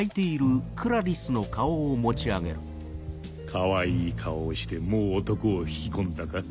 かわいい顔をしてもう男を引き込んだか？